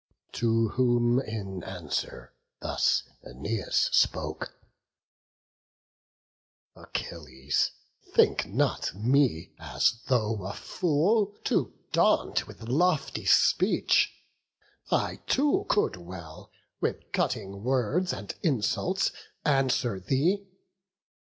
To whom in answer thus Æneas spoke: "Achilles, think not me, as though a fool, To daunt with lofty speech; I too could well With cutting words, and insult, answer thee.